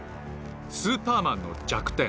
スーパーマンの弱点